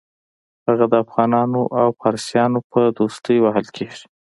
هغه د افغانانو او فارسیانو په دوستۍ وهل کېږي.